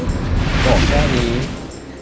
ชาวต่างชาติ